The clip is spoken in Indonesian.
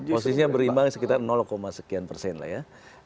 posisinya berimbang sekitar sekian persen lah ya